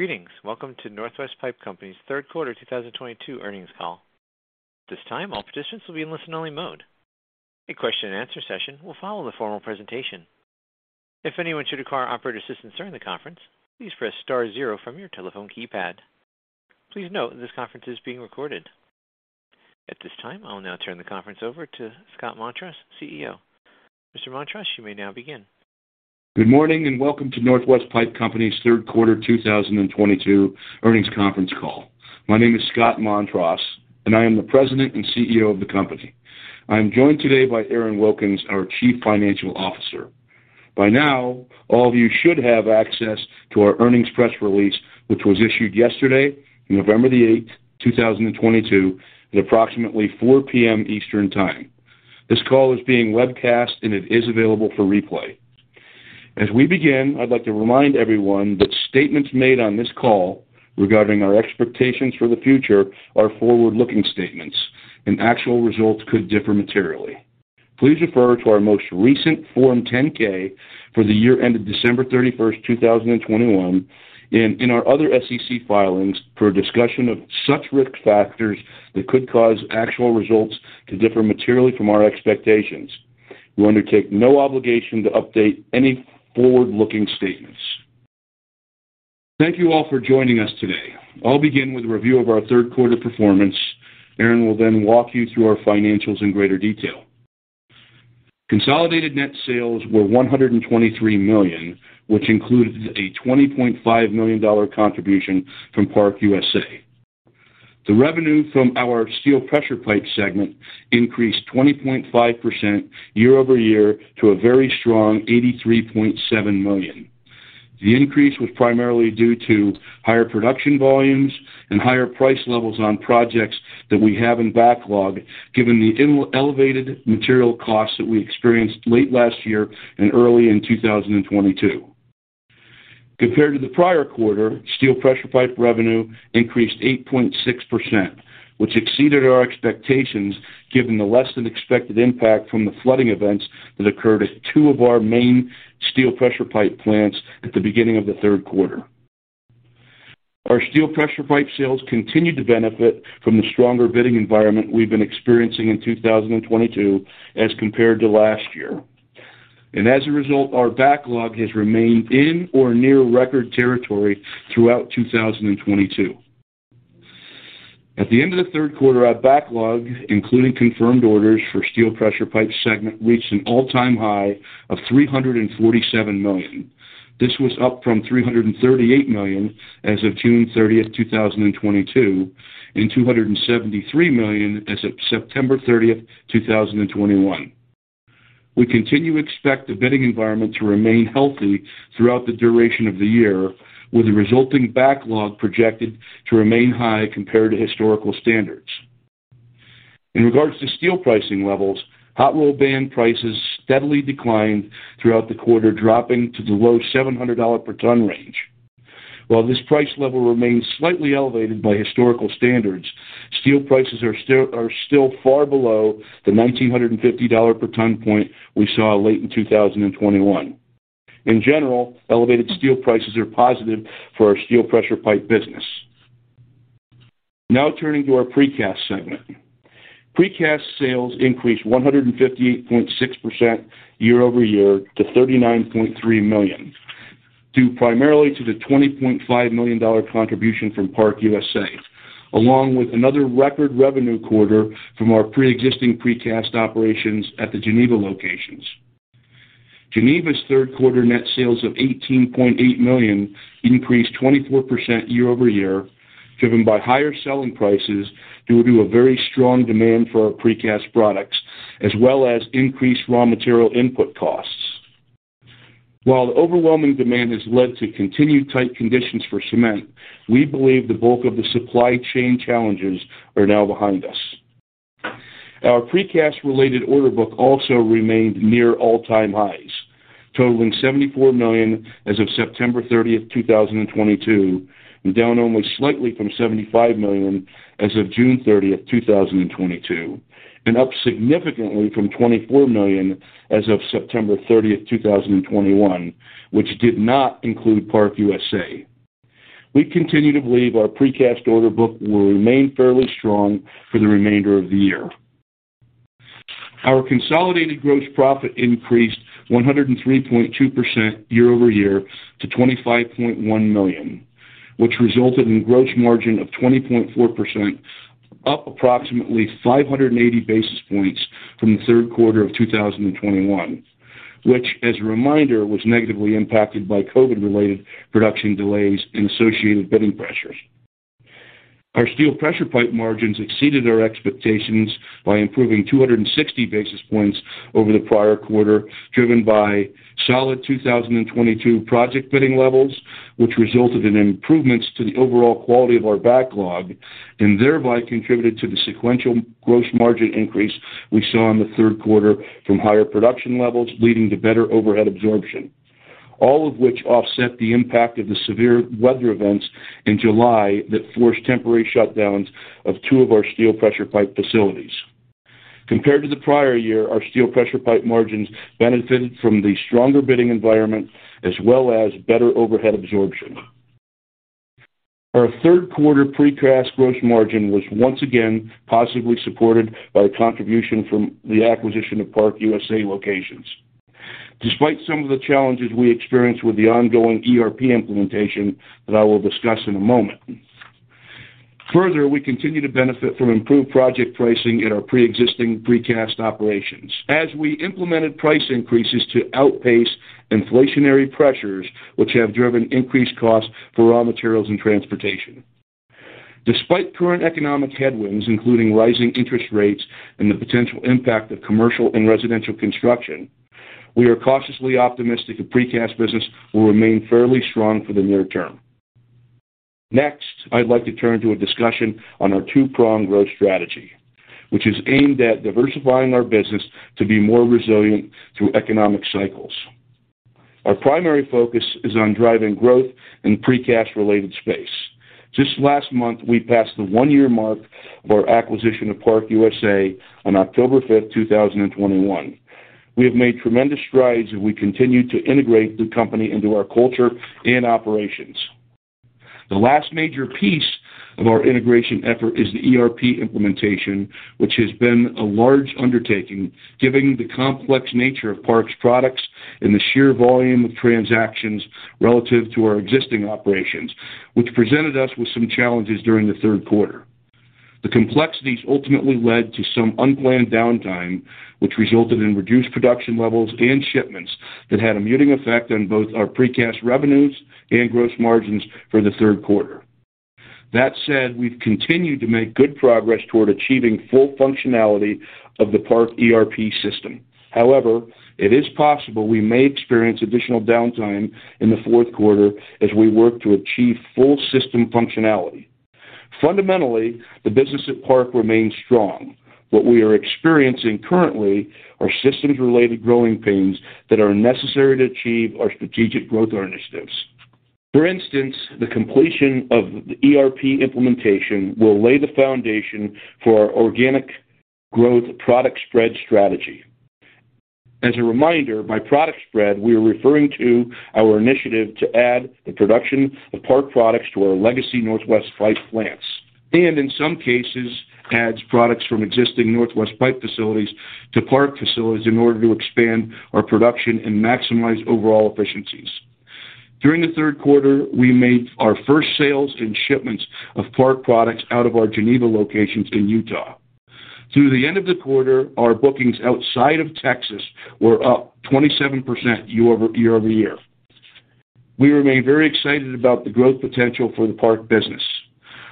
Greetings. Welcome to Northwest Pipe Company's third quarter 2022 earnings call. At this time, all participants will be in listen-only mode. A question-and-answer session will follow the formal presentation. If anyone should require operator assistance during the conference, please press star zero from your telephone keypad. Please note this conference is being recorded. At this time, I'll now turn the conference over to Scott Montross, CEO. Mr. Montross, you may now begin. Good morning, and welcome to Northwest Pipe Company's third quarter 2022 earnings conference call. My name is Scott Montross, and I am the President and CEO of the company. I am joined today by Aaron Wilkins, our Chief Financial Officer. By now, all of you should have access to our earnings press release, which was issued yesterday, November 8, 2022, at approximately 4:00 P.M. Eastern Time. This call is being webcast, and it is available for replay. As we begin, I'd like to remind everyone that statements made on this call regarding our expectations for the future are forward-looking statements and actual results could differ materially. Please refer to our most recent Form 10-K for the year ended December 31, 2021, and in our other SEC filings for a discussion of such risk factors that could cause actual results to differ materially from our expectations. We undertake no obligation to update any forward-looking statements. Thank you all for joining us today. I'll begin with a review of our third quarter performance. Aaron will then walk you through our financials in greater detail. Consolidated net sales were $123 million, which included a $20.5 million contribution from ParkUSA. The revenue from our steel pressure pipe segment increased 20.5% year-over-year to a very strong $83.7 million. The increase was primarily due to higher production volumes and higher price levels on projects that we have in backlog, given the elevated material costs that we experienced late last year and early in 2022. Compared to the prior quarter, steel pressure pipe revenue increased 8.6%, which exceeded our expectations, given the less than expected impact from the flooding events that occurred at two of our main steel pressure pipe plants at the beginning of the third quarter. Our steel pressure pipe sales continued to benefit from the stronger bidding environment we've been experiencing in 2022 as compared to last year. As a result, our backlog has remained in or near record territory throughout 2022. At the end of the third quarter, our backlog, including confirmed orders for steel pressure pipe segment, reached an all-time high of $347 million. This was up from $338 million as of June 30, 2022, and $273 million as of September 30, 2021. We continue to expect the bidding environment to remain healthy throughout the duration of the year, with the resulting backlog projected to remain high compared to historical standards. In regards to steel pricing levels, hot-rolled band prices steadily declined throughout the quarter, dropping to the low $700 per ton range. While this price level remains slightly elevated by historical standards, steel prices are still far below the $1,950 per ton point we saw late in 2021. In general, elevated steel prices are positive for our steel pressure pipe business. Now turning to our Precast segment. Precast sales increased 158.6% year-over-year to $39.3 million, due primarily to the $20.5 million contribution from ParkUSA, along with another record revenue quarter from our preexisting precast operations at the Geneva locations. Geneva's third quarter net sales of $18.8 million increased 24% year-over-year, driven by higher selling prices due to a very strong demand for our Precast products as well as increased raw material input costs. While the overwhelming demand has led to continued tight conditions for cement, we believe the bulk of the supply chain challenges are now behind us. Our Precast related order book also remained near all-time highs, totaling $74 million as of September 30, 2022, and down only slightly from $75 million as of June 30, 2022, and up significantly from $24 million as of September 30, 2021, which did not include ParkUSA. We continue to believe our Precast order book will remain fairly strong for the remainder of the year. Our consolidated gross profit increased 103.2% year-over-year to $25.1 million, which resulted in gross margin of 20.4%, up approximately 580 basis points from the third quarter of 2021, which as a reminder, was negatively impacted by COVID-related production delays and associated bidding pressures. Our steel pressure pipe margins exceeded our expectations by improving 260 basis points over the prior quarter, driven by solid 2022 project bidding levels, which resulted in improvements to the overall quality of our backlog and thereby contributed to the sequential gross margin increase we saw in the third quarter from higher production levels, leading to better overhead absorption. All of which offset the impact of the severe weather events in July that forced temporary shutdowns of two of our steel pressure pipe facilities. Compared to the prior year, our steel pressure pipe margins benefited from the stronger bidding environment as well as better overhead absorption. Our third quarter Precast gross margin was once again positively supported by contribution from the acquisition of ParkUSA locations. Despite some of the challenges we experienced with the ongoing ERP implementation that I will discuss in a moment. Further, we continue to benefit from improved project pricing in our preexisting precast operations as we implemented price increases to outpace inflationary pressures, which have driven increased costs for raw materials and transportation. Despite current economic headwinds, including rising interest rates and the potential impact of commercial and residential construction, we are cautiously optimistic the precast business will remain fairly strong for the near term. Next, I'd like to turn to a discussion on our two-pronged growth strategy, which is aimed at diversifying our business to be more resilient through economic cycles. Our primary focus is on driving growth in Precast related space. Just last month, we passed the one-year mark of our acquisition of ParkUSA on October 5, 2021. We have made tremendous strides as we continue to integrate the company into our culture and operations. The last major piece of our integration effort is the ERP implementation, which has been a large undertaking given the complex nature of Park's products and the sheer volume of transactions relative to our existing operations, which presented us with some challenges during the third quarter. The complexities ultimately led to some unplanned downtime, which resulted in reduced production levels and shipments that had a muting effect on both our precast revenues and gross margins for the third quarter. That said, we've continued to make good progress toward achieving full functionality of the Park ERP system. However, it is possible we may experience additional downtime in the fourth quarter as we work to achieve full system functionality. Fundamentally, the business at Park remains strong. What we are experiencing currently are systems-related growing pains that are necessary to achieve our strategic growth initiatives. For instance, the completion of the ERP implementation will lay the foundation for our organic growth product spread strategy. As a reminder, by product spread, we are referring to our initiative to add the production of Park products to our legacy Northwest Pipe plants, and in some cases adds products from existing Northwest Pipe facilities to Park facilities in order to expand our production and maximize overall efficiencies. During the third quarter, we made our first sales and shipments of Park products out of our Geneva locations in Utah. Through the end of the quarter, our bookings outside of Texas were up 27% year-over-year. We remain very excited about the growth potential for the Park business.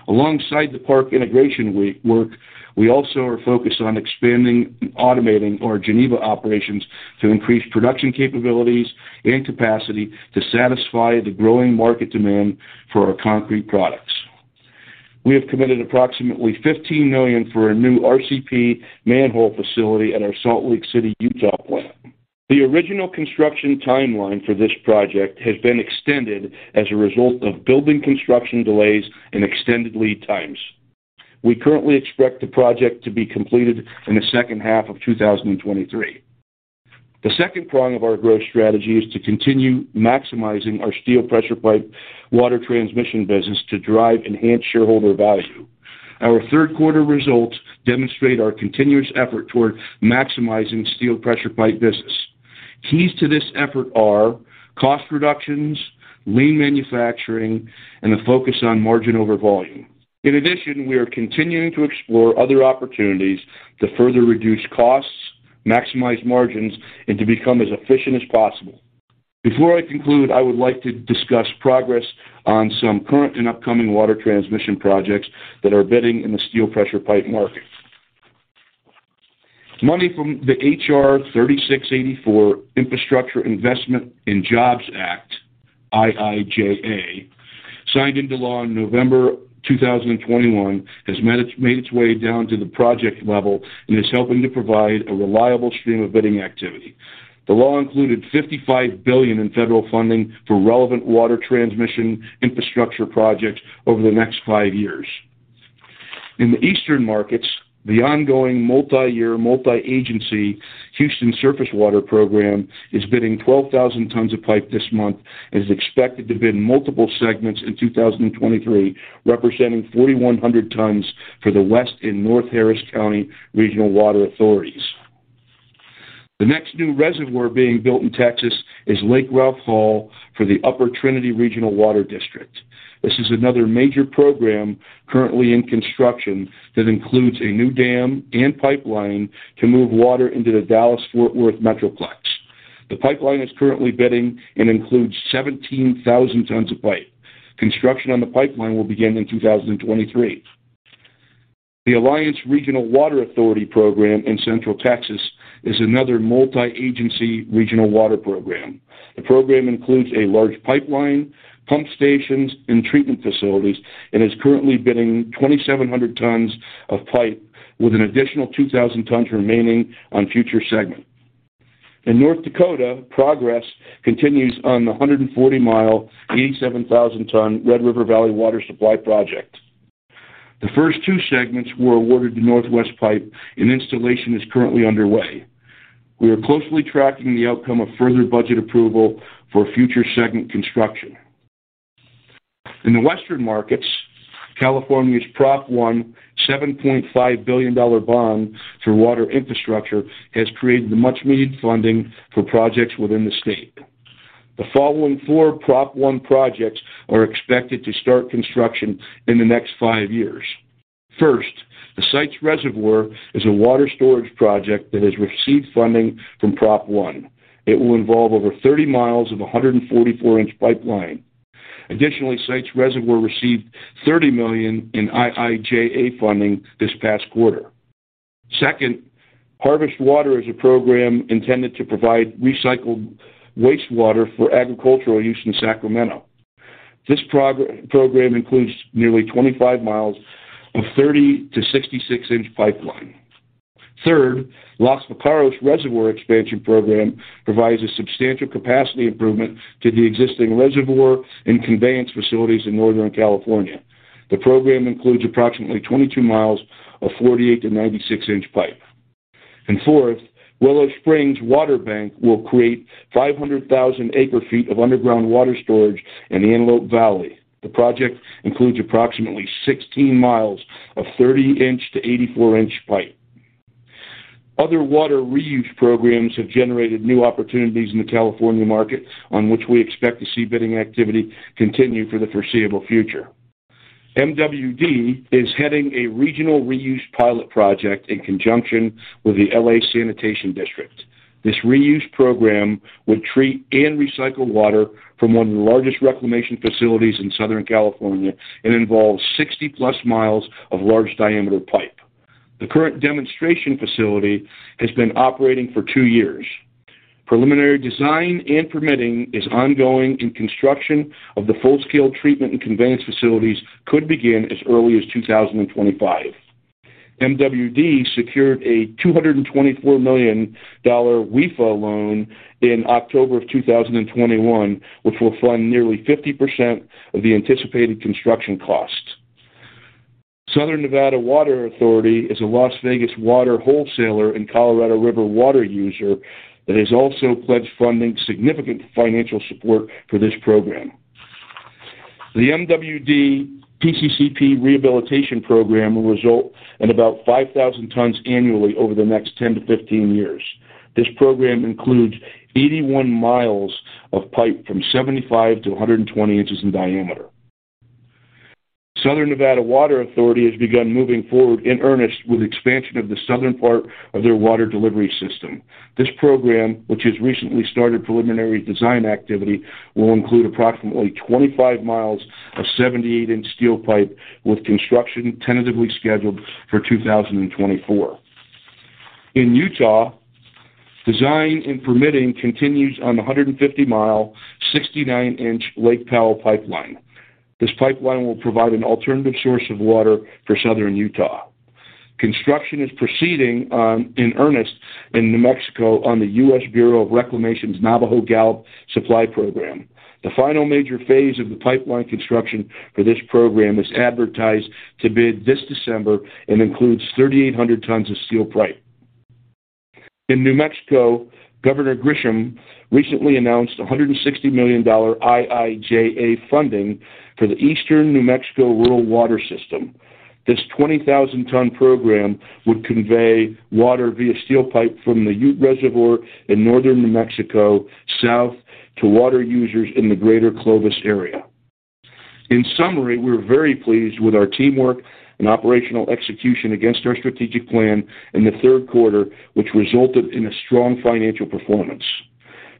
Alongside the Park integration work, we also are focused on expanding and automating our Geneva operations to increase production capabilities and capacity to satisfy the growing market demand for our concrete products. We have committed approximately $15 million for a new RCP manhole facility at our Salt Lake City, Utah plant. The original construction timeline for this project has been extended as a result of building construction delays and extended lead times. We currently expect the project to be completed in the second half of 2023. The second prong of our growth strategy is to continue maximizing our steel pressure pipe water transmission business to drive enhanced shareholder value. Our third quarter results demonstrate our continuous effort toward maximizing steel pressure pipe business. Keys to this effort are cost reductions, lean manufacturing, and a focus on margin over volume. In addition, we are continuing to explore other opportunities to further reduce costs, maximize margins, and to become as efficient as possible. Before I conclude, I would like to discuss progress on some current and upcoming water transmission projects that are bidding in the steel pressure pipe market. Money from the H.R. 3684 Infrastructure Investment and Jobs Act, IIJA, signed into law in November 2021, made its way down to the project level and is helping to provide a reliable stream of bidding activity. The law included $55 billion in federal funding for relevant water transmission infrastructure projects over the next five years. In the eastern markets, the ongoing multi-year, multi-agency Houston Surface Water Transmission Program is bidding 12,000 tons of pipe this month and is expected to bid in multiple segments in 2023, representing 4,100 tons for the West and North Harris County Regional Water Authority. The next new reservoir being built in Texas is Lake Ralph Hall for the Upper Trinity Regional Water District. This is another major program currently in construction that includes a new dam and pipeline to move water into the Dallas-Fort Worth metroplex. The pipeline is currently bidding and includes 17,000 tons of pipe. Construction on the pipeline will begin in 2023. The Alliance Regional Water Authority program in Central Texas is another multi-agency regional water program. The program includes a large pipeline, pump stations, and treatment facilities, and is currently bidding 2,700 tons of pipe with an additional 2,000 tons remaining on future segments. In North Dakota, progress continues on the 140-mile, 87,000-ton Red River Valley Water Supply Project. The first two segments were awarded to Northwest Pipe and installation is currently underway. We are closely tracking the outcome of further budget approval for future segment construction. In the Western markets, California's Prop 1, $7.5 billion bond for water infrastructure has created the much needed funding for projects within the state. The following four Prop 1 projects are expected to start construction in the next five years. First, the Sites Reservoir is a water storage project that has received funding from Prop 1. It will involve over 30 miles of a 144-inch pipeline. Additionally, Sites Reservoir received $30 million in IIJA funding this past quarter. Second, Harvest Water is a program intended to provide recycled wastewater for agricultural use in Sacramento. This program includes nearly 25 miles of 30- to 66-inch pipeline. Third, Los Vaqueros Reservoir Expansion Project provides a substantial capacity improvement to the existing reservoir and conveyance facilities in Northern California. The program includes approximately 22 miles of 48- to 96-inch pipe. Fourth, Willow Springs Water Bank will create 500,000 acre-feet of underground water storage in the Antelope Valley. The project includes approximately 16 miles of 30- to 84-inch pipe. Other water reuse programs have generated new opportunities in the California market, on which we expect to see bidding activity continue for the foreseeable future. MWD is heading a regional reuse pilot project in conjunction with the L.A. Sanitation District. This reuse program would treat and recycle water from one of the largest reclamation facilities in Southern California and involves 60+ miles of large diameter pipe. The current demonstration facility has been operating for two years. Preliminary design and permitting is ongoing, and construction of the full-scale treatment and conveyance facilities could begin as early as 2025. MWD secured a $224 million WIFIA loan in October 2021, which will fund nearly 50% of the anticipated construction cost. Southern Nevada Water Authority is a Las Vegas water wholesaler and Colorado River water user that has also pledged funding, significant financial support for this program. The MWD PCCP rehabilitation program will result in about 5,000 tons annually over the next 10-15 years. This program includes 81 miles of pipe from 75-120 inches in diameter. Southern Nevada Water Authority has begun moving forward in earnest with expansion of the southern part of their water delivery system. This program, which has recently started preliminary design activity, will include approximately 25 miles of 78-inch steel pipe, with construction tentatively scheduled for 2024. In Utah, design and permitting continues on the 150-mile, 69-inch Lake Powell pipeline. This pipeline will provide an alternative source of water for Southern Utah. Construction is proceeding on in earnest in New Mexico on the U.S. Bureau of Reclamation's Navajo-Gallup Water Supply Project. The final major phase of the pipeline construction for this program is advertised to bid this December and includes 3,800 tons of steel pipe. In New Mexico, Governor Grisham recently announced $160 million IIJA funding for the Eastern New Mexico Rural Water System. This 20,000-ton program would convey water via steel pipe from the Ute Reservoir in northern New Mexico south to water users in the greater Clovis area. In summary, we're very pleased with our teamwork and operational execution against our strategic plan in the third quarter, which resulted in a strong financial performance,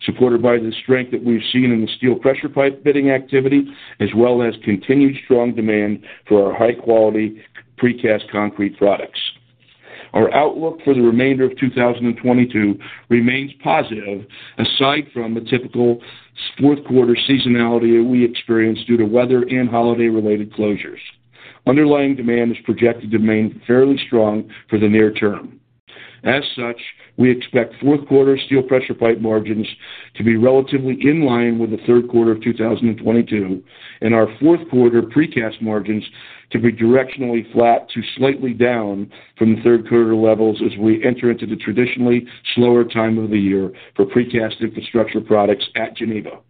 supported by the strength that we've seen in the steel pressure pipe bidding activity, as well as continued strong demand for our high-quality precast concrete products. Our outlook for the remainder of 2022 remains positive, aside from the typical fourth quarter seasonality that we experience due to weather and holiday-related closures. Underlying demand is projected to remain fairly strong for the near term. As such, we expect fourth quarter steel pressure pipe margins to be relatively in line with the third quarter of 2022, and our fourth quarter precast margins to be directionally flat to slightly down from the third quarter levels as we enter into the traditionally slower time of the year for precast infrastructure products at Geneva.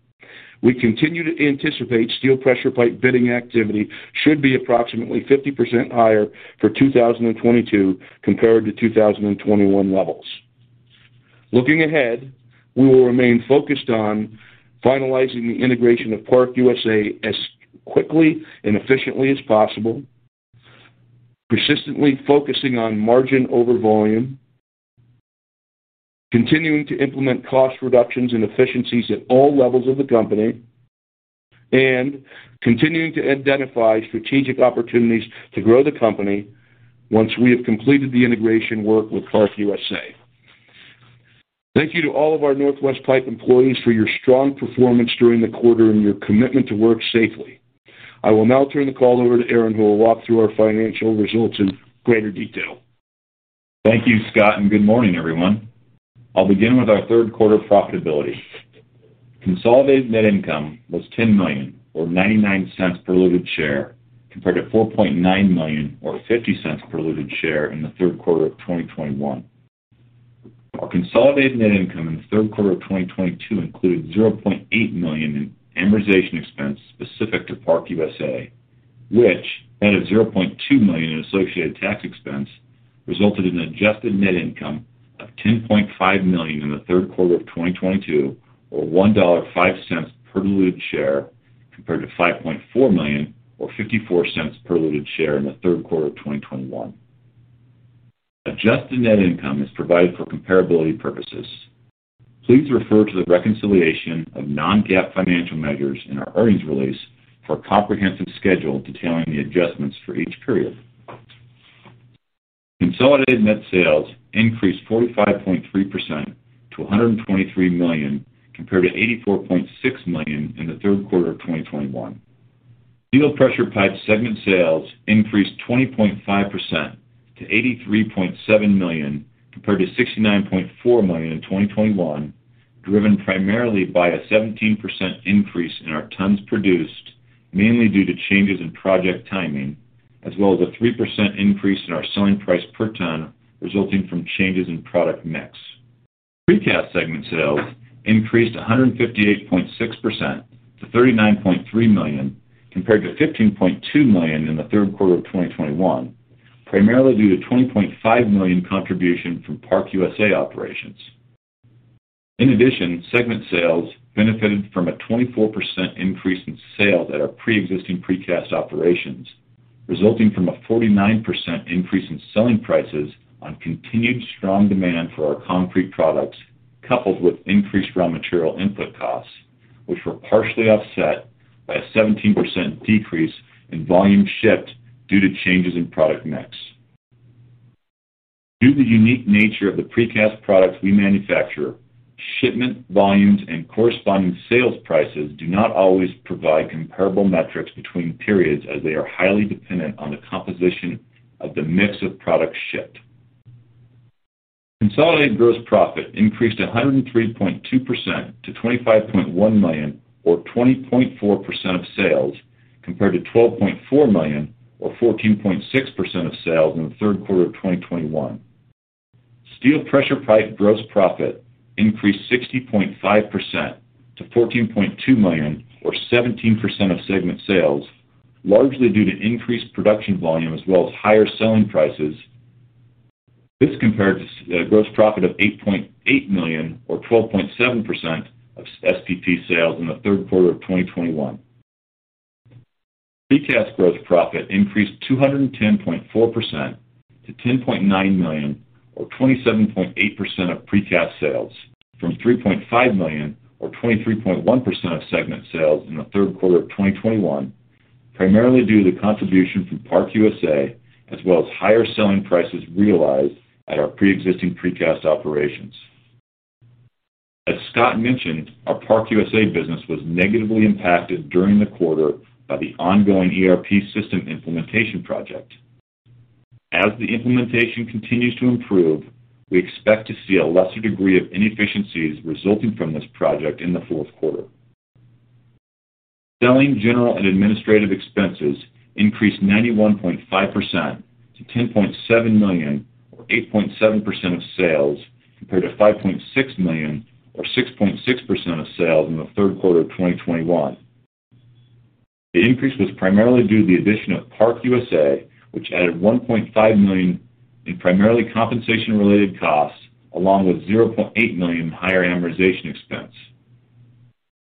We continue to anticipate steel pressure pipe bidding activity should be approximately 50% higher for 2022 compared to 2021 levels. Looking ahead, we will remain focused on finalizing the integration of ParkUSA as quickly and efficiently as possible, persistently focusing on margin over volume, continuing to implement cost reductions and efficiencies at all levels of the company, and continuing to identify strategic opportunities to grow the company once we have completed the integration work with ParkUSA. Thank you to all of our Northwest Pipe employees for your strong performance during the quarter and your commitment to work safely. I will now turn the call over to Aaron Wilkins, who will walk through our financial results in greater detail. Thank you, Scott, and good morning, everyone. I'll begin with our third quarter profitability. Consolidated net income was $10 million, or $0.99 per diluted share, compared to $4.9 million or $0.50 per diluted share in the third quarter of 2021. Our consolidated net income in the third quarter of 2022 included $0.8 million in amortization expense specific to ParkUSA, which added $0.2 million in associated tax expense, resulted in an adjusted net income of $10.5 million in the third quarter of 2022, or $1.05 per diluted share, compared to $5.4 million or $0.54 per diluted share in the third quarter of 2021. Adjusted net income is provided for comparability purposes. Please refer to the reconciliation of non-GAAP financial measures in our earnings release for a comprehensive schedule detailing the adjustments for each period. Consolidated net sales increased 45.3% to $123 million, compared to $84.6 million in the third quarter of 2021. Steel pressure pipe segment sales increased 20.5% to $83.7 million, compared to $69.4 million in 2021, driven primarily by a 17% increase in our tons produced, mainly due to changes in project timing, as well as a 3% increase in our selling price per ton, resulting from changes in product mix. Precast segment sales increased 158.6% to $39.3 million, compared to $15.2 million in the third quarter of 2021, primarily due to $20.5 million contribution from ParkUSA operations. In addition, segment sales benefited from a 24% increase in sales at our pre-existing Precast operations, resulting from a 49% increase in selling prices on continued strong demand for our concrete products, coupled with increased raw material input costs, which were partially offset by a 17% decrease in volume shipped due to changes in product mix. Due to the unique nature of the Precast products we manufacture, shipment volumes and corresponding sales prices do not always provide comparable metrics between periods as they are highly dependent on the composition of the mix of products shipped. Consolidated gross profit increased 103.2% to $25.1 million or 20.4% of sales, compared to $12.4 million or 14.6% of sales in the third quarter of 2021. Steel pressure pipe gross profit increased 60.5% to $14.2 million or 17% of segment sales, largely due to increased production volume as well as higher selling prices. This compared to a gross profit of $8.8 million or 12.7% of SPP sales in the third quarter of 2021. Precast gross profit increased 210.4% to $10.9 million or 27.8% of Precast sales from $3.5 million or 23.1% of segment sales in the third quarter of 2021, primarily due to contribution from ParkUSA as well as higher selling prices realized at our pre-existing Precast operations. As Scott mentioned, our ParkUSA business was negatively impacted during the quarter by the ongoing ERP system implementation project. As the implementation continues to improve, we expect to see a lesser degree of inefficiencies resulting from this project in the fourth quarter. Selling, general and administrative expenses increased 91.5% to $10.7 million or 8.7% of sales, compared to $5.6 million or 6.6% of sales in the third quarter of 2021. The increase was primarily due to the addition of ParkUSA, which added $1.5 million in primarily compensation-related costs, along with $0.8 million in higher amortization expense.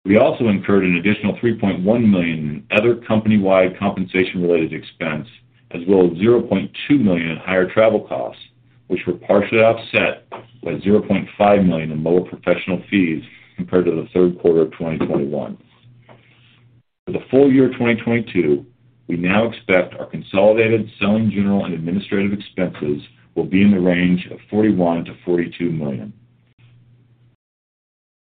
We also incurred an additional $3.1 million in other company-wide compensation-related expense, as well as $0.2 million in higher travel costs, which were partially offset by $0.5 million in lower professional fees compared to the third quarter of 2021. For the full year of 2022, we now expect our consolidated selling, general and administrative expenses will be in the range of $41 million-$42 million.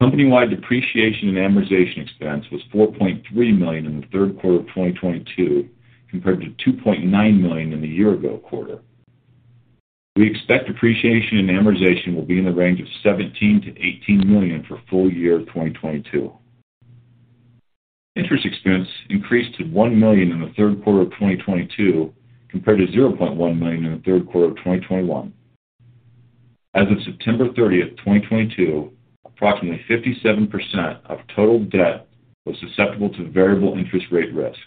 Company-wide depreciation and amortization expense was $4.3 million in the third quarter of 2022, compared to $2.9 million in the year-ago quarter. We expect depreciation and amortization will be in the range of $17 million-$18 million for full year of 2022. Interest expense increased to $1 million in the third quarter of 2022, compared to $0.1 million in the third quarter of 2021. As of September 30, 2022, approximately 57% of total debt was susceptible to variable interest rate risk.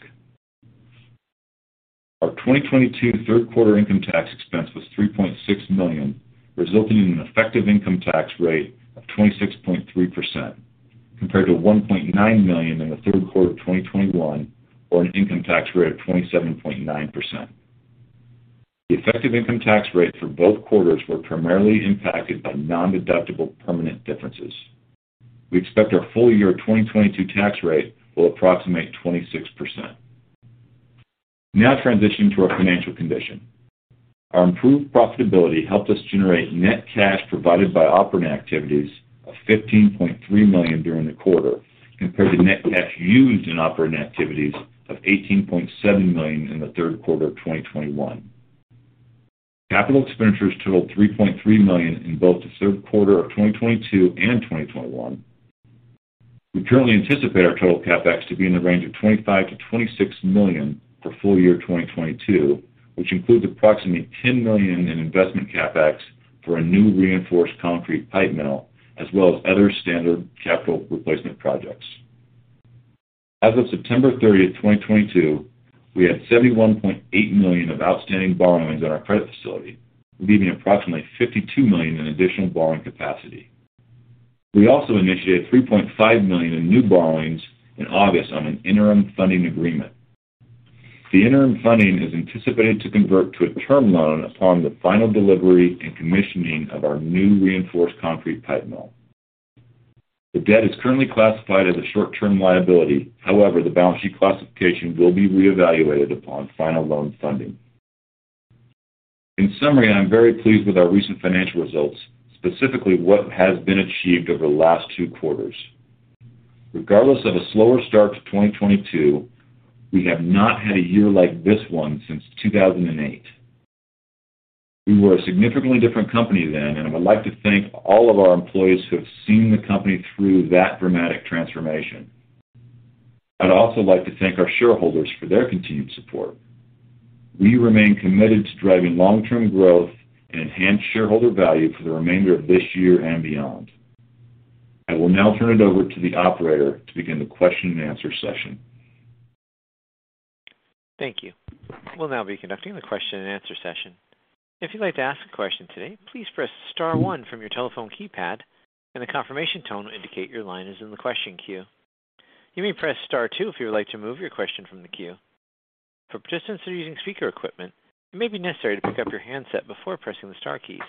Our 2022 third quarter income tax expense was $3.6 million, resulting in an effective income tax rate of 26.3%, compared to $1.9 million in the third quarter of 2021, or an income tax rate of 27.9%. The effective income tax rate for both quarters were primarily impacted by nondeductible permanent differences. We expect our full year of 2022 tax rate will approximate 26%. Now transitioning to our financial condition. Our improved profitability helped us generate net cash provided by operating activities of $15.3 million during the quarter compared to net cash used in operating activities of $18.7 million in the third quarter of 2021. Capital expenditures totaled $3.3 million in both the third quarter of 2022 and 2021. We currently anticipate our total CapEx to be in the range of $25 million-$26 million for full year 2022, which includes approximately $10 million in investment CapEx for a new Reinforced Concrete Pipe mill, as well as other standard capital replacement projects. As of September thirtieth, 2022, we had $71.8 million of outstanding borrowings on our credit facility, leaving approximately $52 million in additional borrowing capacity. We also initiated $3.5 million in new borrowings in August on an interim funding agreement. The interim funding is anticipated to convert to a term loan upon the final delivery and commissioning of our new reinforced concrete pipe mill. The debt is currently classified as a short-term liability. However, the balance sheet classification will be reevaluated upon final loan funding. In summary, I'm very pleased with our recent financial results, specifically what has been achieved over the last two quarters. Regardless of a slower start to 2022, we have not had a year like this one since 2008. We were a significantly different company then, and I would like to thank all of our employees who have seen the company through that dramatic transformation. I'd also like to thank our shareholders for their continued support. We remain committed to driving long-term growth and enhance shareholder value for the remainder of this year and beyond. I will now turn it over to the operator to begin the question and answer session. Thank you. We'll now be conducting the question-and-answer session. If you'd like to ask a question today, please press star one from your telephone keypad, and a confirmation tone will indicate your line is in the question queue. You may press star two if you would like to move your question from the queue. For participants who are using speaker equipment, it may be necessary to pick up your handset before pressing the star keys.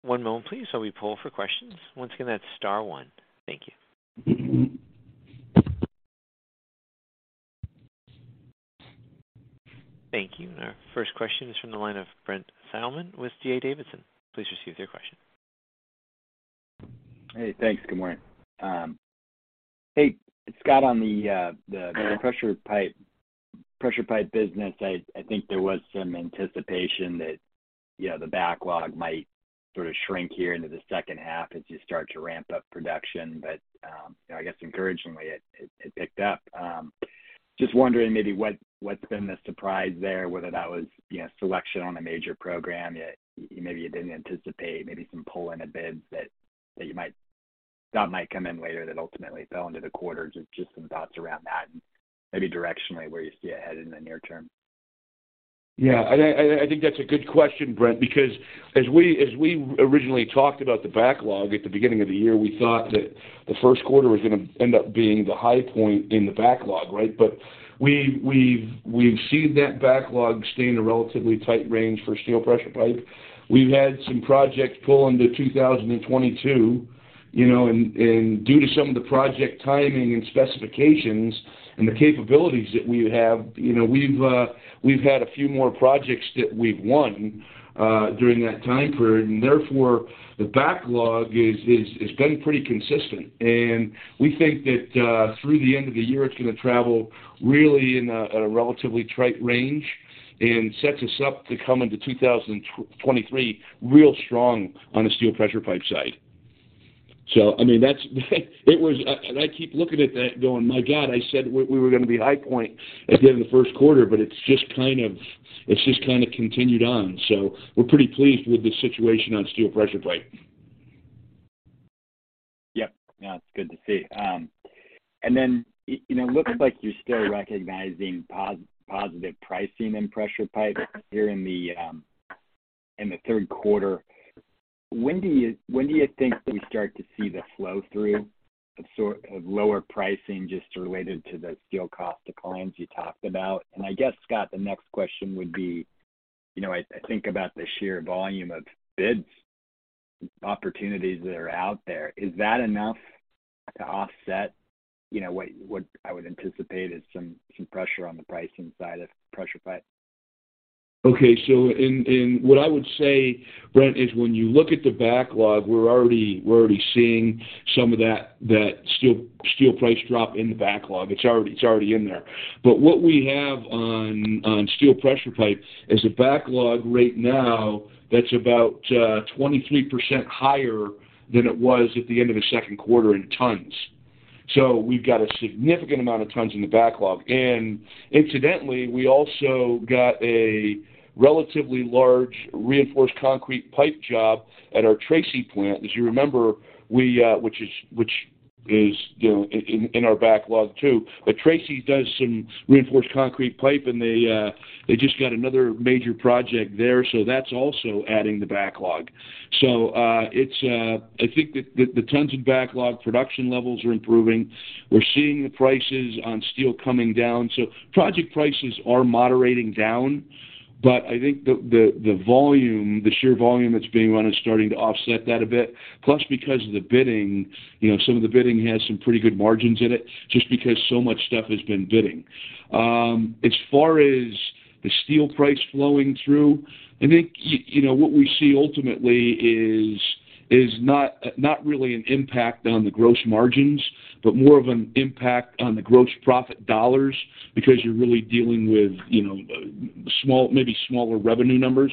One moment please while we poll for questions. Once again, that's star one. Thank you. Thank you. Our first question is from the line of Brent Thielman with D.A. Davidson. Please proceed with your question. Hey, thanks. Good morning. Hey, Scott, on the pressure pipe business, I think there was some anticipation that, you know, the backlog might sort of shrink here into the second half as you start to ramp up production. You know, I guess encouragingly it picked up. Just wondering maybe what's been the surprise there, whether that was, you know, selection on a major program you maybe didn't anticipate, maybe some pull in bids that might come in later that ultimately fell into the quarter. Just some thoughts around that and maybe directionally where you see it headed in the near term. Yeah, I think that's a good question, Brent, because as we originally talked about the backlog at the beginning of the year, we thought that the first quarter was gonna end up being the high point in the backlog, right? We've seen that backlog stay in a relatively tight range for steel pressure pipe. We've had some projects pull into 2022, you know, and due to some of the project timing and specifications and the capabilities that we have, you know, we've had a few more projects that we've won during that time period, and therefore the backlog has been pretty consistent. We think that through the end of the year, it's gonna travel really in a relatively tight range and sets us up to come into 2023 real strong on the steel pressure pipe side. I mean, that's it was. I keep looking at that going, "My God, I said we were gonna be high point at the end of the first quarter," but it's just kind of continued on. We're pretty pleased with the situation on steel pressure pipe. Yep. No, it's good to see. You know, looks like you're still recognizing positive pricing in pressure pipe here in the third quarter. When do you think we start to see the flow-through of sort of lower pricing just related to the steel cost declines you talked about? I guess, Scott, the next question would be, you know, I think about the sheer volume of bids, opportunities that are out there. Is that enough to offset, you know, what I would anticipate is some pressure on the pricing side of pressure pipe? What I would say, Brent Thielman, is when you look at the backlog, we're already seeing some of that steel price drop in the backlog. It's already in there. What we have on steel pressure pipe is a backlog right now that's about 23% higher than it was at the end of the second quarter in tons. We've got a significant amount of tons in the backlog. Incidentally, we also got a relatively large reinforced concrete pipe job at our Tracy plant. As you remember, which is, you know, in our backlog too. Tracy does some reinforced concrete pipe, and they just got another major project there, so that's also adding to the backlog. I think the tons of backlog production levels are improving. We're seeing the prices on steel coming down. Project prices are moderating down, but I think the volume, the sheer volume that's being run is starting to offset that a bit. Plus, because of the bidding, you know, some of the bidding has some pretty good margins in it, just because so much stuff has been bidding. As far as the steel price flowing through, I think, you know, what we see ultimately is not really an impact on the gross margins, but more of an impact on the gross profit dollars because you're really dealing with, you know, small, maybe smaller revenue numbers.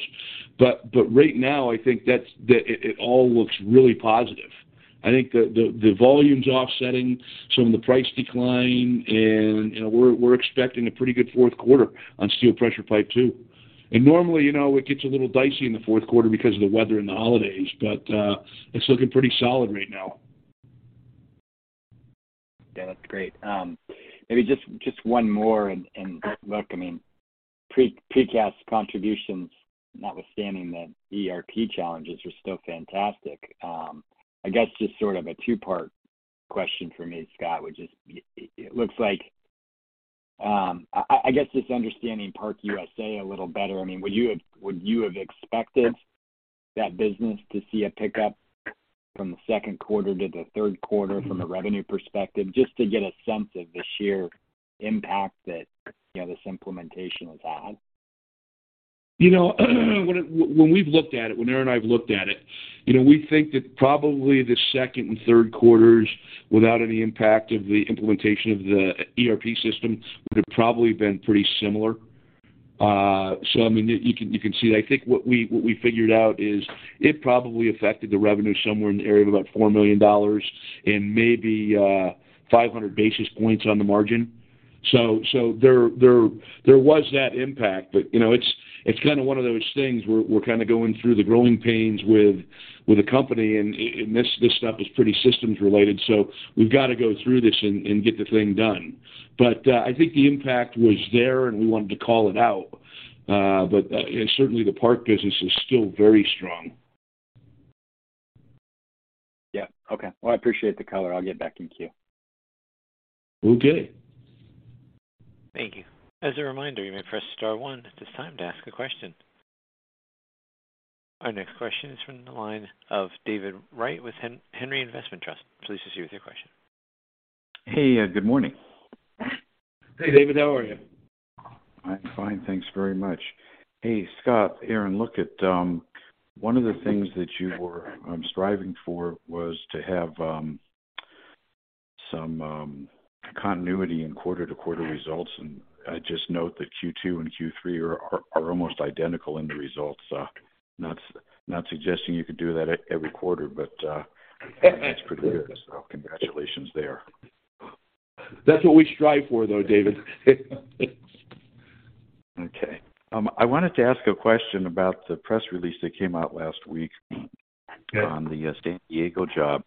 But right now, I think that it all looks really positive. I think the volume's offsetting some of the price decline, and you know, we're expecting a pretty good fourth quarter on steel pressure pipe too. Normally, you know, it gets a little dicey in the fourth quarter because of the weather and the holidays, but it's looking pretty solid right now. Yeah, that's great. Maybe just one more and look, I mean, Precast contributions, notwithstanding the ERP challenges, are still fantastic. I guess just sort of a two-part question from me, Scott, which is it looks like. I guess just understanding ParkUSA a little better. I mean, would you have expected that business to see a pickup from the second quarter to the third quarter from a revenue perspective, just to get a sense of the sheer impact that, you know, this implementation has had? You know, when Aaron and I have looked at it, you know, we think that probably the second and third quarters, without any impact of the implementation of the ERP system, would have probably been pretty similar. So I mean, you can see that. I think what we figured out is it probably affected the revenue somewhere in the area of about $4 million and maybe 500 basis points on the margin. There was that impact. You know, it's kind of one of those things we're kind of going through the growing pains with the company and this stuff is pretty systems related, so we've got to go through this and get the thing done. I think the impact was there, and we wanted to call it out. Certainly the Park business is still very strong. Yeah. Okay. Well, I appreciate the color. I'll get back in queue. Okay. Thank you. As a reminder, you may press star one at this time to ask a question. Our next question is from the line of David Wright with Henry Investment Trust. Please proceed with your question. Hey, good morning. Hey, David. How are you? I'm fine, thanks very much. Hey, Scott, Aaron, look at one of the things that you were striving for was to have some continuity in quarter-to-quarter results, and I just note that Q2 and Q3 are almost identical in the results. Not suggesting you could do that every quarter, but that's pretty good. Congratulations there. That's what we strive for, though, David. Okay. I wanted to ask a question about the press release that came out last week. Okay.... on the San Diego job.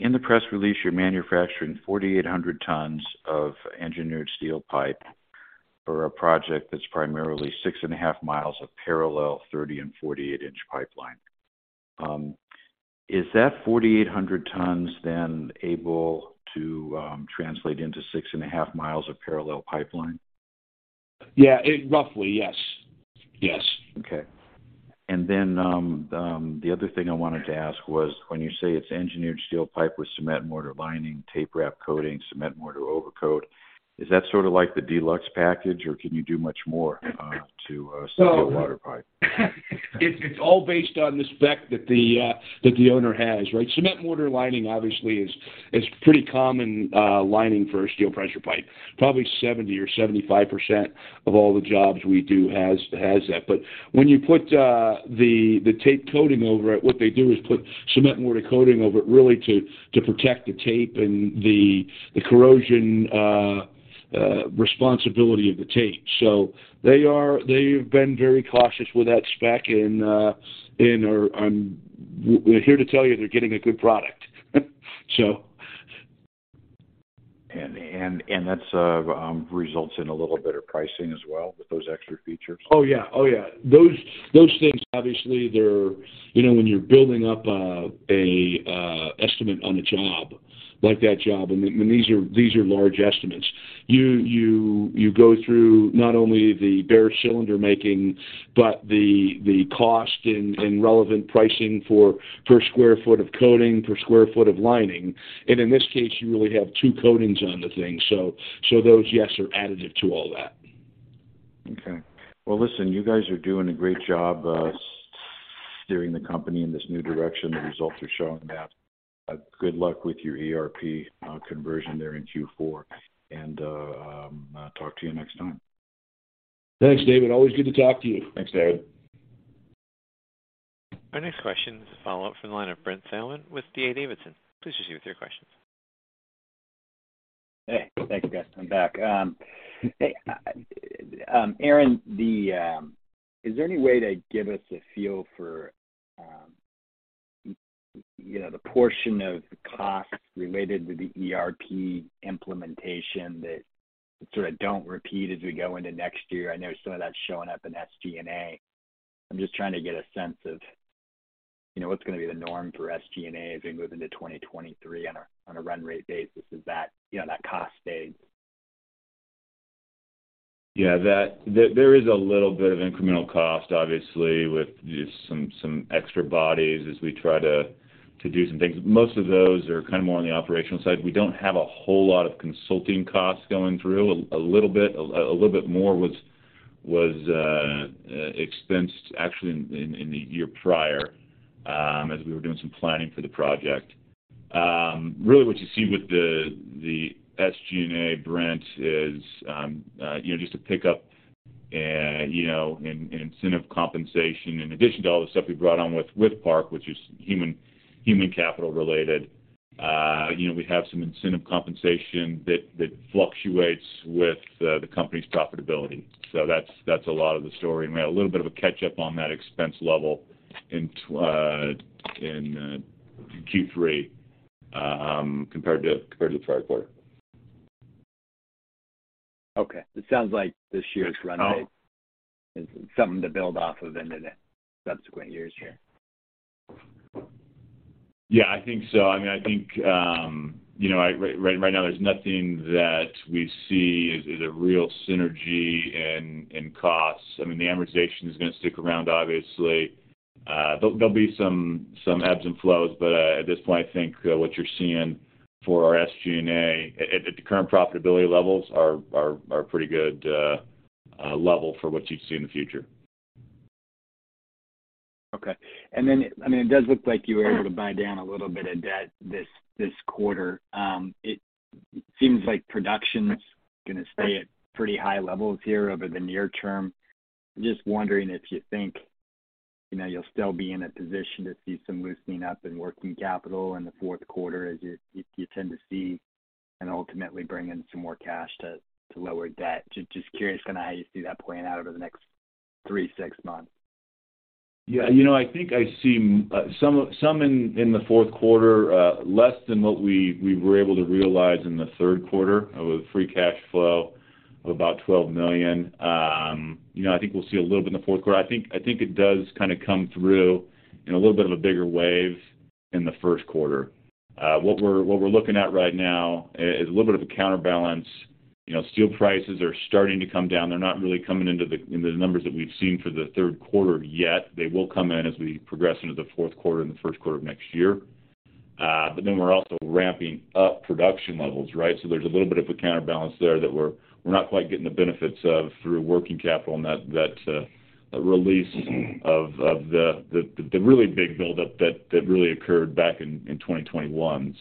In the press release, you're manufacturing 4,800 tons of engineered steel pipe for a project that's primarily six and a half miles of parallel 30- and 48-inch pipeline. Is that 4,800 tons then able to translate into six and a half miles of parallel pipeline? Yeah. Roughly, yes. Yes. Okay. The other thing I wanted to ask was when you say it's engineered steel pipe with cement mortar lining, tape wrap coating, cement mortar overcoat, is that sort of like the deluxe package, or can you do much more to a steel water pipe? It's all based on the spec that the owner has, right? Cement mortar lining obviously is pretty common lining for a steel pressure pipe. Probably 70%-75% of all the jobs we do has that. When you put the tape coating over it, what they do is put cement mortar coating over it really to protect the tape and the corrosion responsibility of the tape. They've been very cautious with that spec. I'm here to tell you they're getting a good product. That's results in a little better pricing as well with those extra features? Oh, yeah. Oh, yeah. Those things, obviously, they're. You know, when you're building up an estimate on a job, like that job, and these are large estimates. You go through not only the bare cylinder making, but the cost and relevant pricing for per square foot of coating, per square foot of lining. In this case, you really have two coatings on the thing. So those, yes, are additive to all that. Okay. Well, listen, you guys are doing a great job, steering the company in this new direction. The results are showing that. Good luck with your ERP conversion there in Q4. Talk to you next time. Thanks, David. Always good to talk to you. Thanks, David. Our next question is a follow-up from the line of Brent Thielman with D.A. Davidson. Please proceed with your questions. Hey, thanks guys. I'm back. Hey, Aaron. Is there any way to give us a feel for, you know, the portion of the cost related to the ERP implementation that sort of don't repeat as we go into next year? I know some of that's showing up in SG&A. I'm just trying to get a sense of, you know, what's going to be the norm for SG&A as we move into 2023 on a run rate basis. Is that, you know, that cost stay? Yeah, there is a little bit of incremental cost, obviously, with just some extra bodies as we try to do some things. Most of those are kind of more on the operational side. We don't have a whole lot of consulting costs going through. A little bit more was expensed actually in the year prior as we were doing some planning for the project. Really, what you see with the SG&A, Brent, is you know, just a pickup you know, in incentive compensation in addition to all the stuff we brought on with Park, which is human capital related. You know, we have some incentive compensation that fluctuates with the company's profitability. So that's a lot of the story. We had a little bit of a catch-up on that expense level in Q3 compared to the prior quarter. Okay. It sounds like this year's runway. Oh- This is something to build off of into the subsequent years here. Yeah, I think so. I mean, I think right now there's nothing that we see as a real synergy in costs. I mean, the amortization is gonna stick around, obviously. There'll be some ebbs and flows, but at this point, I think what you're seeing for our SG&A at the current profitability levels are pretty good level for what you'd see in the future. Okay. I mean, it does look like you were able to buy down a little bit of debt this quarter. It seems like production's gonna stay at pretty high levels here over the near term. Just wondering if you think, you know, you'll still be in a position to see some loosening up in working capital in the fourth quarter as you tend to see, and ultimately bring in some more cash to lower debt. Just curious kinda how you see that playing out over the next three-six months. Yeah. You know, I think I see some in the fourth quarter, less than what we were able to realize in the third quarter of free cash flow of about $12 million. You know, I think we'll see a little bit in the fourth quarter. I think it does kinda come through in a little bit of a bigger wave in the first quarter. What we're looking at right now is a little bit of a counterbalance. You know, steel prices are starting to come down. They're not really coming into the numbers that we've seen for the third quarter yet. They will come in as we progress into the fourth quarter and the first quarter of next year. We're also ramping up production levels, right? There's a little bit of a counterbalance there that we're not quite getting the benefits of through working capital and that release of the really big buildup that really occurred back in 2021.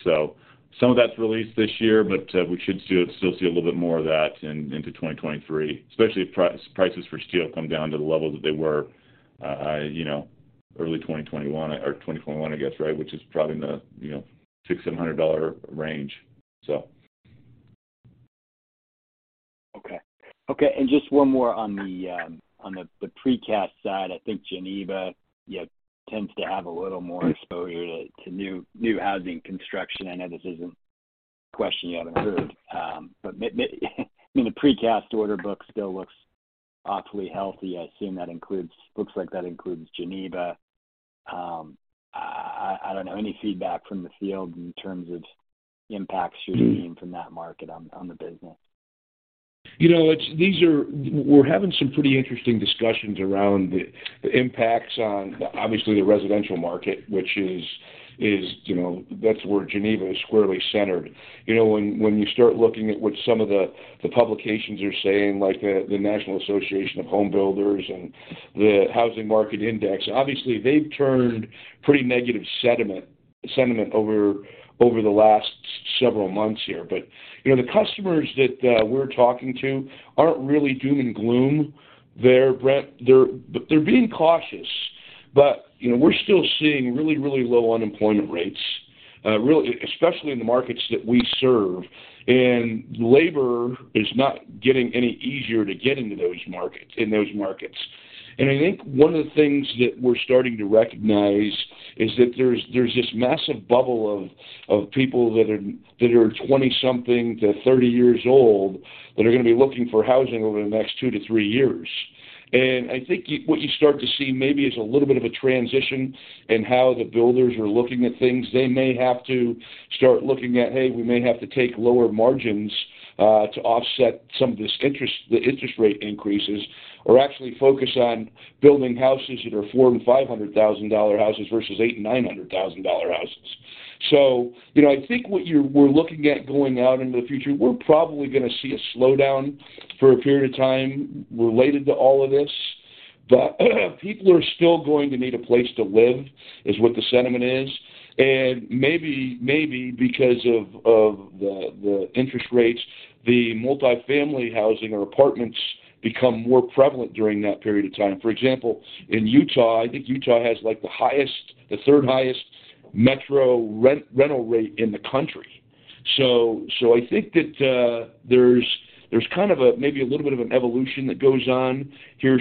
Some of that's released this year, but we should still see a little bit more of that into 2023, especially if prices for steel come down to the level that they were, you know, early 2021 or 2021, I guess, right, which is probably in the, you know, $600-$700 range. Okay. Just one more on the Precast side. I think Geneva tends to have a little more exposure to new housing construction. I know this isn't a question you have prepared, but I mean, the Precast order book still looks awfully healthy. I assume that includes Geneva. I don't know, any feedback from the field in terms of impacts you're seeing from that market on the business? We're having some pretty interesting discussions around the impacts on the, obviously, the residential market, which is, you know, that's where Geneva is squarely centered. You know, when you start looking at what some of the publications are saying, like the National Association of Home Builders and the Housing Market Index, obviously they've turned pretty negative sentiment over the last several months here. You know, the customers that we're talking to aren't really doom and gloom. They're, Brent, being cautious, but, you know, we're still seeing really low unemployment rates, really, especially in the markets that we serve. Labor is not getting any easier to get into those markets. I think one of the things that we're starting to recognize is that there's this massive bubble of people that are 20-something to 30 years old that are gonna be looking for housing over the next two-three years. I think what you start to see maybe is a little bit of a transition in how the builders are looking at things. They may have to start looking at, "Hey, we may have to take lower margins to offset some of this interest, the interest rate increases, or actually focus on building houses that are $400,000-$500,000 houses versus $800,000-$900,000 houses." You know, I think what we're looking at going out into the future, we're probably gonna see a slowdown for a period of time related to all of this. People are still going to need a place to live, is what the sentiment is. Maybe because of the interest rates, the multifamily housing or apartments become more prevalent during that period of time. For example, in Utah, I think Utah has like the third highest metro rental rate in the country. I think that there's kind of a maybe a little bit of an evolution that goes on here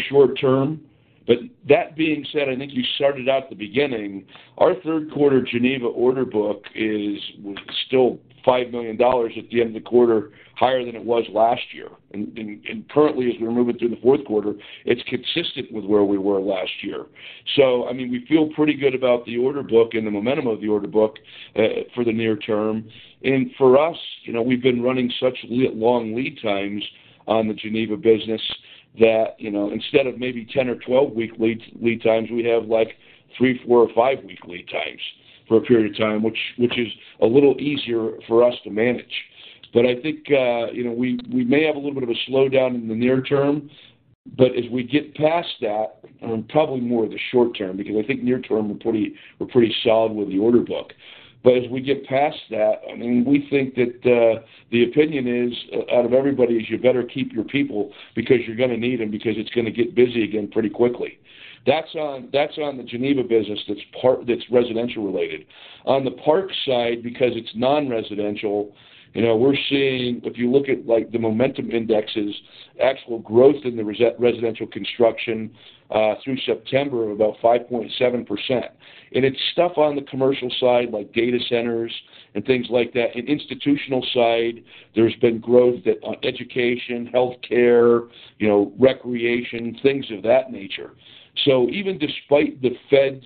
short-term. That being said, I think you started out at the beginning, our third quarter-end order book was still $5 million at the end of the quarter, higher than it was last year. Currently as we're moving through the fourth quarter, it's consistent with where we were last year. I mean, we feel pretty good about the order book and the momentum of the order book for the near-term. For us, you know, we've been running such long lead times on the Geneva business that, you know, instead of maybe 10 or 12 week lead times, we have like three, four, or five-week lead times for a period of time, which is a little easier for us to manage. I think, you know, we may have a little bit of a slowdown in the near term, but as we get past that, and probably more the short term, because I think near term we're pretty solid with the order book. But as we get past that, I mean, we think that the opinion out of everybody is you better keep your people because you're gonna need them, because it's gonna get busy again pretty quickly. That's on the Geneva business that's residential related. On the Park side, because it's non-residential, you know, we're seeing. If you look at, like, the momentum indexes, actual growth in the residential construction through September of about 5.7%. It's stuff on the commercial side, like data centers and things like that. On the institutional side, there's been growth in education, healthcare, you know, recreation, things of that nature. Even despite the Fed's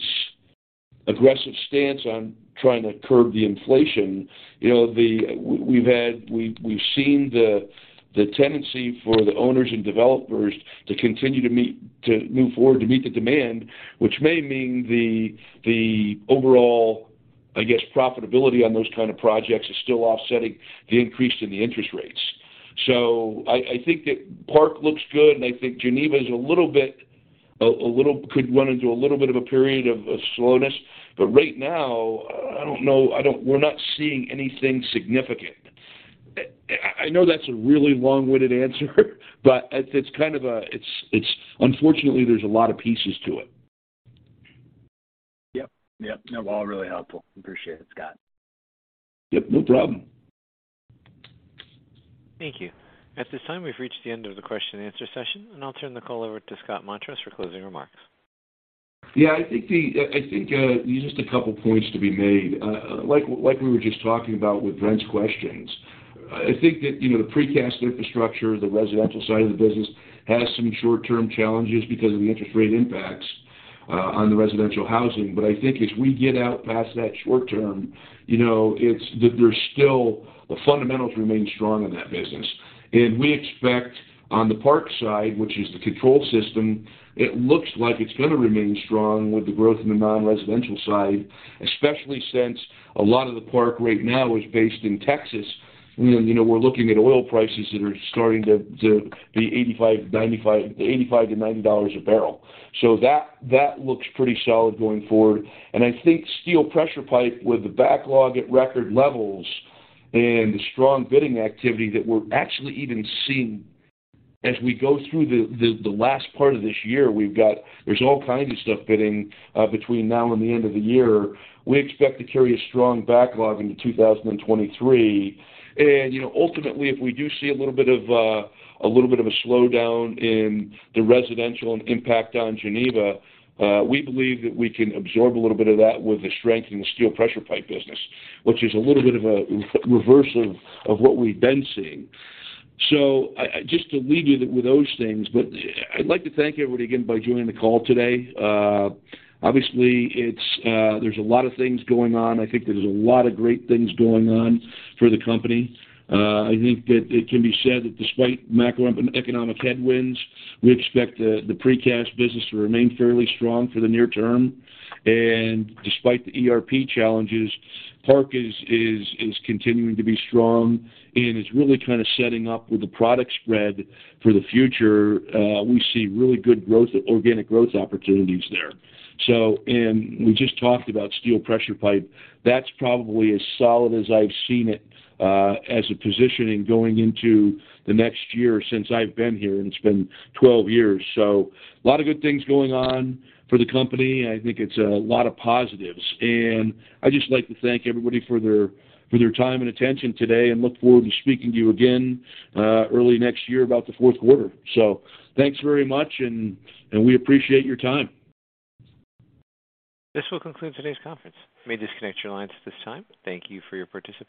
aggressive stance on trying to curb the inflation, you know, we've seen the tendency for the owners and developers to move forward to meet the demand, which may mean the overall, I guess, profitability on those kind of projects is still offsetting the increase in the interest rates. I think that Park looks good, and I think Geneva is a little bit could run into a little bit of a period of slowness. Right now, I don't know, we're not seeing anything significant. I know that's a really long-winded answer, but it's kind of a, unfortunately, there's a lot of pieces to it. Yep. No, all really helpful. Appreciate it, Scott. Yep, no problem. Thank you. At this time, we've reached the end of the question and answer session, and I'll turn the call over to Scott Montross for closing remarks. Yeah, I think just a couple of points to be made. Like we were just talking about with Brent's questions. I think that, you know, the Precast infrastructure, the residential side of the business, has some short-term challenges because of the interest rate impacts on the residential housing. I think as we get out past that short term, you know, the fundamentals remain strong in that business. We expect on the ParkUSA side, which is the control system, it looks like it's gonna remain strong with the growth in the non-residential side, especially since a lot of the ParkUSA right now is based in Texas. You know, we're looking at oil prices that are starting to be $85-$90 a barrel. That looks pretty solid going forward. I think steel pressure pipe with the backlog at record levels and the strong bidding activity that we're actually even seeing as we go through the last part of this year, we've got. There's all kinds of stuff bidding between now and the end of the year. We expect to carry a strong backlog into 2023. You know, ultimately, if we do see a little bit of a slowdown in the residential and impact on Geneva, we believe that we can absorb a little bit of that with the strength in the steel pressure pipe business, which is a little bit of a reversal of what we've been seeing. I just to leave you with those things. I'd like to thank everybody again by joining the call today. Obviously, it's, there's a lot of things going on. I think there's a lot of great things going on for the company. I think that it can be said that despite macroeconomic headwinds, we expect the Precast business to remain fairly strong for the near term. Despite the ERP challenges, Park is continuing to be strong, and it's really kind of setting up with a product spread for the future. We see really good growth, organic growth opportunities there. We just talked about steel pressure pipe. That's probably as solid as I've seen it, as a position in going into the next year since I've been here, and it's been 12 years. A lot of good things going on for the company, and I think it's a lot of positives. I'd just like to thank everybody for their time and attention today, and look forward to speaking to you again early next year about the fourth quarter. Thanks very much, and we appreciate your time. This will conclude today's conference. You may disconnect your lines at this time. Thank you for your participation.